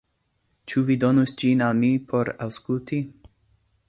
Ĉu vi donus ĝin al mi por aŭskulti?